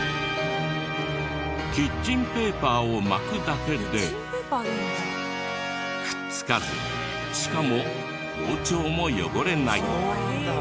キッチンペーパーを巻くだけでくっつかずしかも包丁も汚れない。